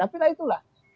tapi lah itulah